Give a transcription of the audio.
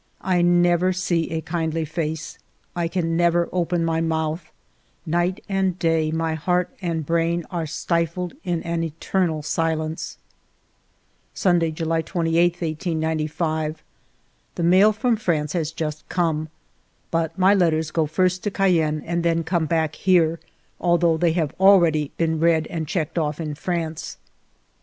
I never see a kindly face ; I can never open my mouth ; night and day my heart and brain are stifled in an eternal silence. Sunday^ July 28, 1895. The mail from France has just come. But my letters go first to Cayenne and then come back here, although they have already been read and checked oflT in France.